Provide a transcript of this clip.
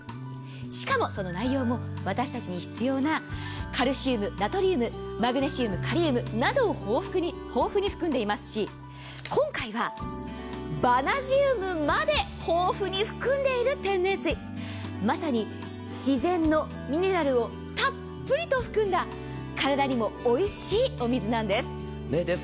しかもその内容も私たちに必要な、カルシウムナトリウム、マグネシウム、カリウムなども豊富に含んでいますし、今回はバナジウムまで豊富に含んでいる天然水、まさに自然のミネラルをたっぷりと含んだ体にもおいしいお水なんです。